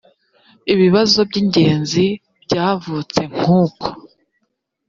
ibibazo by ingenzi byavutse nk uko